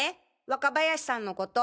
若林さんのコト。